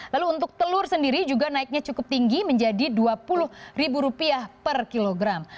lalu untuk telur sendiri juga naiknya cukup tinggi menjadi rp dua puluh per kilogram